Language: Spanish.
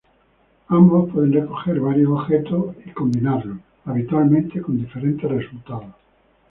Ambos pueden recoger varios objetos y combinarlos, habitualmente con diferentes resultados.